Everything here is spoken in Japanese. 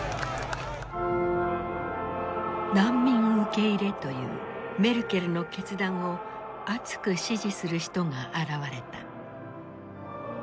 難民受け入れというメルケルの決断を熱く支持する人が現れた。